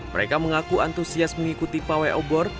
mereka mengaku antusias mengikuti pawai obor